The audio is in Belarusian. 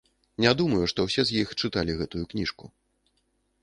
Не думаю, што ўсе з іх чыталі гэтую кніжку.